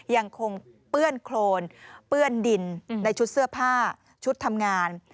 ยังคงเปื้อนโครนเปื้อนดินในชุดเสื้อผ้าชุดทำงาน